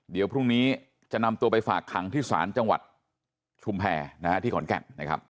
เดี๋ยวพรุ่งนี้จะนำตัวไปฝากขังที่ศาลจังหวัดชุมแพรที่ขอนแก่นนะครับ